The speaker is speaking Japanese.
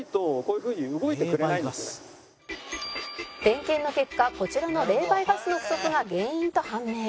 「点検の結果こちらの冷媒ガスの不足が原因と判明」